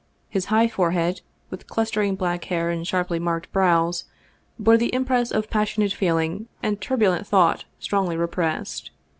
His high forehead, with clustering black hair and sharply marked brows, bore the impress of passionate feeling and turbulent thought strongly repressed.